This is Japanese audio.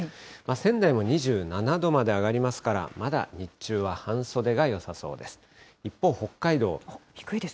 仙台も２７度まで上がりますから、まだ日中は半袖がよさそうです。